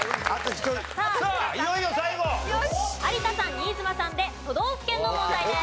新妻さんで都道府県の問題です。